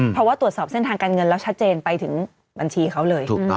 เพราะว่าตรวจสอบเส้นทางการเงินแล้วชัดเจนไปถึงบัญชีเขาเลย